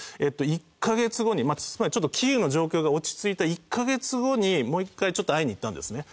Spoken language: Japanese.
１カ月後につまりちょっとキーウの状況が落ち着いた１カ月後にもう一回ちょっと会いに行ったんですね。